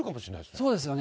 そうですよね、